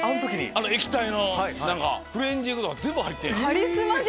液体の何かクレンジングとか全部入ってん。